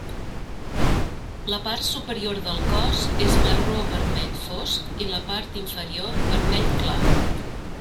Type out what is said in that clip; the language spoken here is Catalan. La part superior del cos és marró vermell fosc i la part inferior vermell clar.